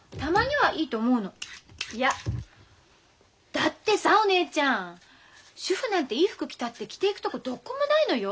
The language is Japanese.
だってさお姉ちゃん主婦なんていい服着たって着ていくとこどっこもないのよ。